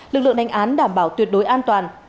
lực lượng đánh án đảm bảo tuyệt đối an toàn